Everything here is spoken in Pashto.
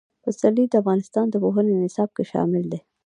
پسرلی د افغانستان د پوهنې نصاب کې شامل دي.